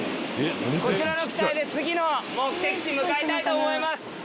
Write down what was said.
こちらの機体で次の目的地向かいたいと思います！